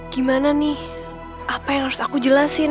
gimana nih apa yang harus aku jelasin